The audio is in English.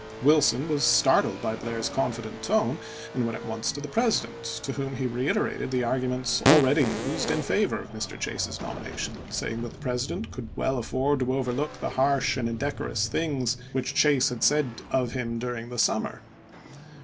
Wilson was startled by Blair's confident tone, and went at once to the President, to whom he reiterated the arguments already used in favor of Mr. Chase's nomination, saying that the President could well afford to overlook the harsh and indecorous things 394 ABKAHAM LINCOLN which Chase had said of him during the summer.